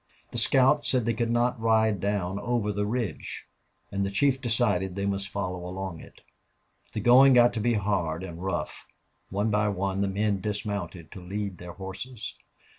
The scout said they could not ride down over the ridge, and the chief decided they must follow along it. The going got to be hard and rough. One by one the men dismounted to lead their horses.